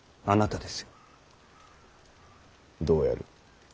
どうやる。